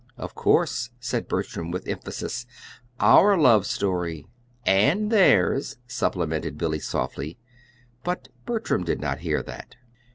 "Of course," said Bertram with emphasis; "OUR love story!" "And theirs," supplemented Billy, softly; but Bertram did not hear that.